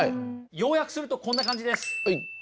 要約するとこんな感じです。